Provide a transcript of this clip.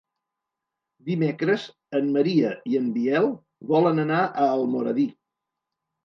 Dimecres en Maria i en Biel volen anar a Almoradí.